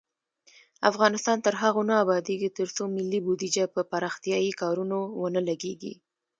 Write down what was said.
افغانستان تر هغو نه ابادیږي، ترڅو ملي بودیجه پر پراختیايي کارونو ونه لګیږي.